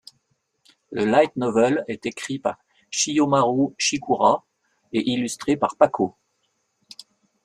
Le light novel est écrit par Chiyomaru Shikura et illustré par pako.